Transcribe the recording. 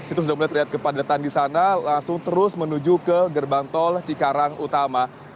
itu sudah mulai terlihat kepadatan di sana langsung terus menuju ke gerbang tol cikarang utama